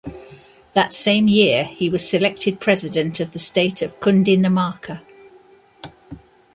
That same year he was selected president of the State of Cundinamarca.